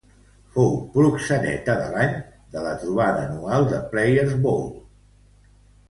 Fou "proxeneta de l'any" de la trobada anual de Players Ball.